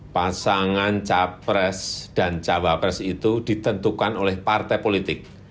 pasangan capres dan cawapres itu ditentukan oleh partai politik